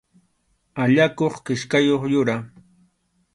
Allakuq kichkayuq yura.